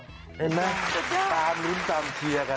เห็นไหมจะติดตามลุ้นตามเชียร์กัน